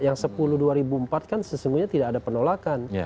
yang sepuluh dua ribu empat kan sesungguhnya tidak ada penolakan